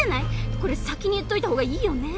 これ先に言っといたほうがいいよね？